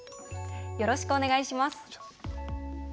よろしくお願いします。